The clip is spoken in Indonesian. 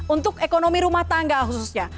untuk ekonomi rumah tangga khususnya